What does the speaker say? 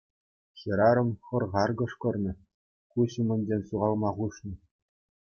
Хӗрарӑм хӑр-хар кӑшкӑрнӑ, куҫ умӗнчен ҫухалма хушнӑ.